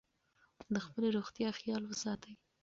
د خپلې روغتیا خیال ساتئ.